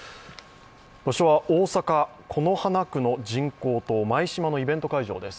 場所は大阪・此花区の人工島、舞洲のイベント会場です。